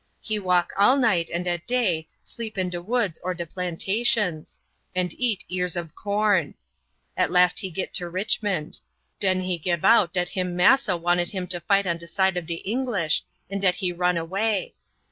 He walk all night and at day sleep in de woods or de plantations, and eat ears ob corn. At last he git to Richmond. Den he gib out dat him massa wanted him to fight on de side ob de English and dat he run away.